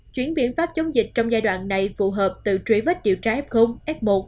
chuyển biện pháp chống dịch trong giai đoạn này phù hợp từ chuỗi vết điều tra f f một